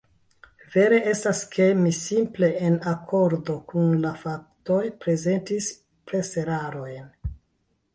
Vere estas, ke mi simple en akordo kun la faktoj prezentis preserarojn.